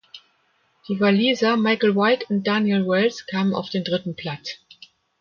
Die Waliser Michael White und Daniel Wells kamen auf den dritten Platz.